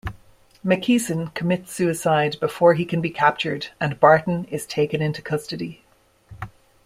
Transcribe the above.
McKeeson commits suicide before he can be captured and Barton is taken into custody.